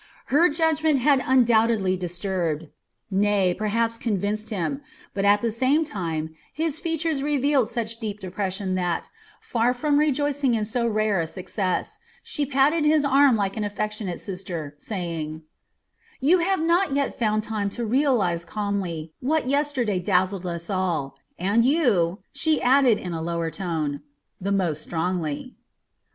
Her judgment had undoubtedly disturbed, nay, perhaps convinced him; but at the same time his features revealed such deep depression that, far from rejoicing in so rare a success, she patted his arm like an affectionate sister, saying: "You have not yet found time to realize calmly what yesterday dazzled us all and you," she added in a lower tone, "the most strongly."